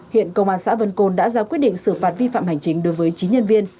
hiện công an xã vân côn đã ra quyết định xử phạt vi phạm hành chính đối với chín nhân viên